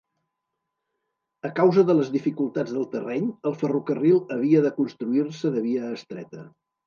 A causa de les dificultats del terreny, el ferrocarril havia de construir-se de via estreta.